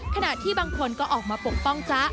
ขณะที่บางคนก็ออกมาปกป้องจ๊ะ